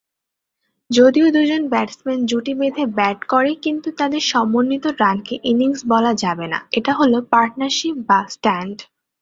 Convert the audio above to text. যদিও দুইজন ব্যাটসম্যান জুটি বেঁধে ব্যাট করে, কিন্তু তাদের সমন্বিত রানকে ইনিংস বলা যাবে না, এটা হল পার্টনারশিপ বা স্ট্যান্ড।